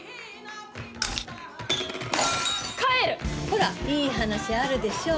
ほらいい話あるでしょ